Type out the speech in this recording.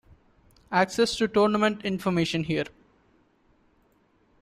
Access to tournament information here.